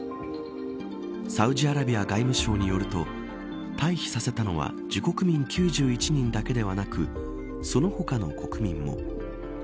サウジアラビア外務省によると退避させたのは自国民９１人だけではなくその他の国民も。